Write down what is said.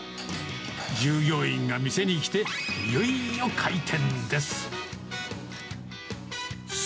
従業員が店に来て、いよいよ開店です。